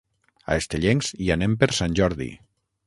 A Estellencs hi anem per Sant Jordi.